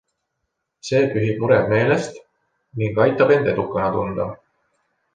See pühib mured meelest ning aitab end edukana tunda.